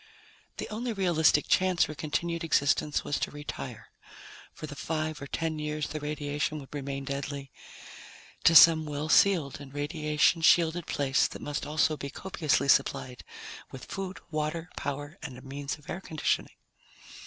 The only realistic chance for continued existence was to retire, for the five or ten years the radiation would remain deadly, to some well sealed and radiation shielded place that must also be copiously supplied with food, water, power, and a means of air conditioning.